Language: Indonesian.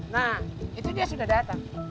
nah itu dia sudah datang